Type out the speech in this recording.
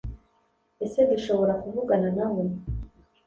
Ese dushobora kuvugana na we